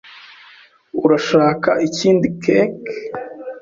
Urashaka ikindi cake?